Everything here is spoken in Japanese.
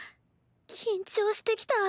緊張してきた。